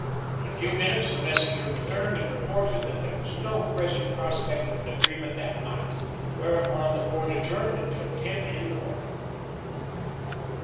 In a few minutes the messenger returned and reported that there was no present prospect of an agreement that night, whereupon the court adjourned until ten in the morning.